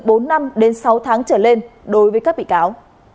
các đồng phạm đã đề nghị mức án tù từ sáu tháng trở lên đối với các bị cáo